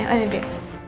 oh ini dia